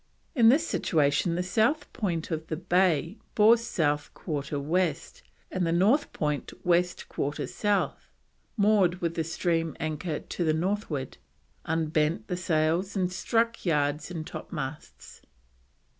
In this situation the South point of the bay bore South 1/4 West, and the North point West 1/4 South. Moored with the stream anchor to the Northward. Unbent the sails and struck yards and topmasts.